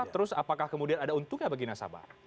terus apakah kemudian ada untungnya bagi nasabah